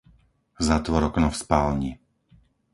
Zatvor okno v spálni.